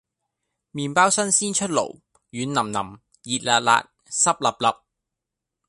麵包新鮮出爐軟腍腍熱辣辣濕 𣲷𣲷